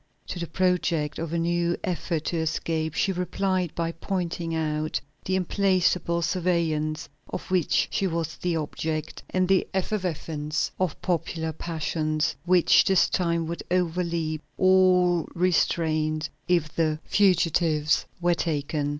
To the project of a new effort to escape, she replied by pointing out the implacable surveillance of which she was the object, and the effervescence of popular passions, which this time would overleap all restraint if the fugitives were taken.